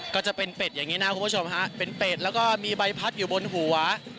ก็จะเป็นเป็ดอย่างนี้นะคุณผู้ชมฮะเป็นเป็ดแล้วก็มีใบพัดอยู่บนหัว